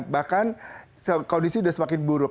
bahkan kondisi sudah semakin buruk